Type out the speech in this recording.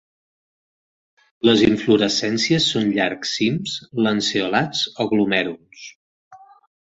Les inflorescències són llargs cims lanceolats o glomèruls.